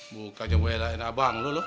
mukanya belah enak bang